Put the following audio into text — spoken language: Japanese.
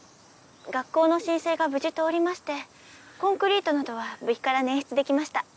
学校の申請が無事通りましてコンクリートなどは部費から捻出できました